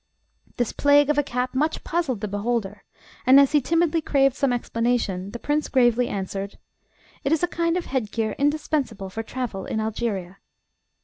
This plague of a cap much puzzled the beholder; and as he timidly craved some explanation, the prince gravely answered: "It is a kind of headgear indispensable for travel in Algeria."